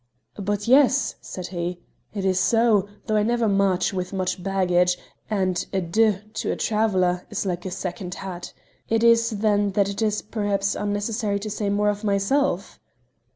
"But yes," said he, "it is so, though I never march with much baggage, and a De to a traveller is like a second hat. It is, then, that it is perhaps unnecessary to say more of myself?"